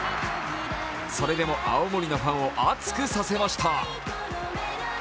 それでも青森のファンを熱くさせました。